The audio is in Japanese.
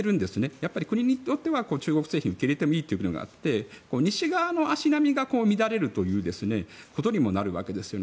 やっぱり国によっては中国製品受け入れていいということもあって西側の足並みが乱れるということにもなるわけですよね